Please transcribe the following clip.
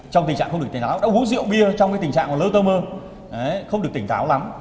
trong tình trạng không được tỉnh đáo đã uống rượu bia trong cái tình trạng lơ tơ mơ không được tỉnh đáo lắm